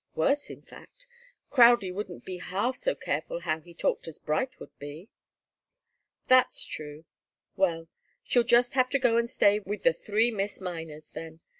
"Worse, in fact. Crowdie wouldn't be half so careful how he talked as Bright would be." "That's true. Well she'll just have to go and stay with the three Miss Miners, then.